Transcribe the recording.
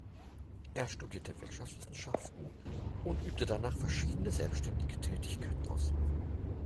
Er studierte Wirtschaftswissenschaften und übte danach verschiedene selbständige Tätigkeiten aus.